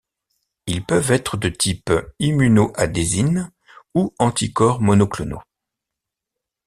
Ils peuvent être de type immunoadhésines ou anticorps monoclonaux.